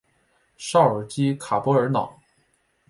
绍尔基卡波尔瑙。